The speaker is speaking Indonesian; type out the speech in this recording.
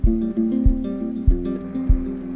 tidak bisa menunggu kondisi kembali normal